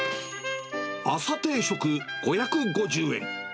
朝定食５５０円。